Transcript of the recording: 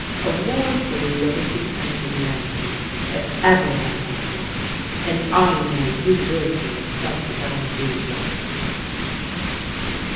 A war for liberty, and humanity, if ever there was one. And I know you will see it just as I do, yet."